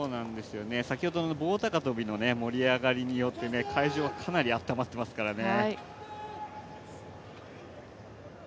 先ほどの棒高跳の盛り上がりによって、会場はかなり暖まっていますからね。